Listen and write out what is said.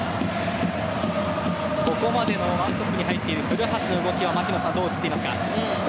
ここまでの１トップに入っている古橋の動きはどう映っていますか？